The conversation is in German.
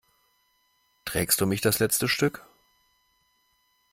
Trägst du mich das letzte Stück?